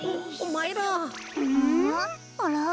あら？